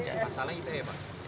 masalah itu ya pak